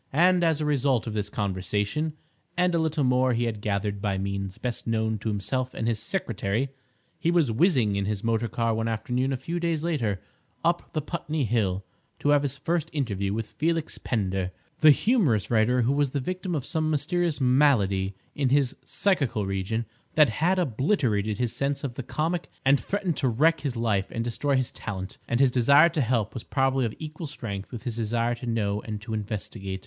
And, as a result of this conversation, and a little more he had gathered by means best known to himself and his secretary, he was whizzing in his motor car one afternoon a few days later up the Putney Hill to have his first interview with Felix Pender, the humorous writer who was the victim of some mysterious malady in his "psychical region" that had obliterated his sense of the comic and threatened to wreck his life and destroy his talent. And his desire to help was probably of equal strength with his desire to know and to investigate.